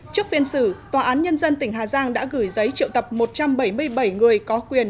trước phiên xử tòa án nhân dân tỉnh hà giang đã gửi giấy triệu tập một trăm bảy mươi bảy người có quyền